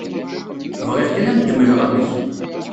Bɣiɣ kan ad m-d-mmleɣ amek.